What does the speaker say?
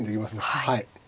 はい。